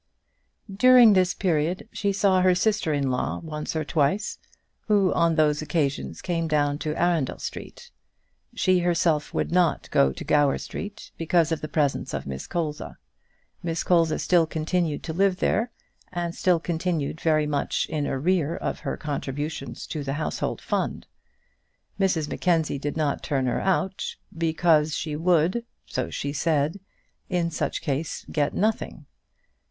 During this period she saw her sister in law once or twice, who on those occasions came down to Arundel Street. She herself would not go to Gower Street, because of the presence of Miss Colza. Miss Colza still continued to live there, and still continued very much in arrear in her contributions to the household fund. Mrs Mackenzie did not turn her out, because she would, so she said, in such case get nothing.